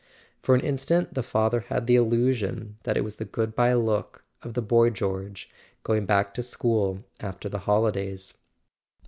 For an instant the father had the illusion that it was the goodbye look of the boy George, going back to school after the holidays.